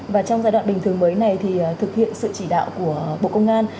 và trong giai đoạn bình thường mới này thì thực hiện sự chỉ đạo của bộ công an